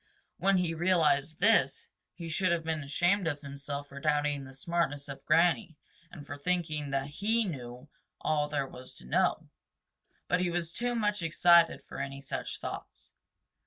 When he realized this, he should have been ashamed of himself for doubting the smartness of Granny and for thinking that he knew all there was to know. But he was too much excited for any such thoughts.